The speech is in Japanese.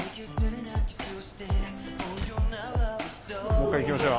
もう一回行きましょう。